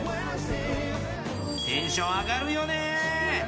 テンション上がるよね。